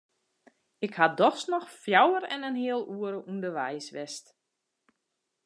Ik ha dochs noch fjouwer en in heal oere ûnderweis west.